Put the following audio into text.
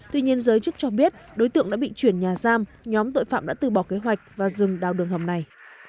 tuy nhiên giới chức cho biết đối tượng đã bị chuyển nhà giam nhóm tội phạm đã từ bỏ kế hoạch và dừng đào đường hầm này